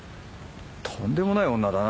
とんでもない女だな